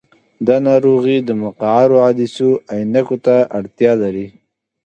دا ناروغي د مقعرو عدسیو عینکو ته اړتیا لري.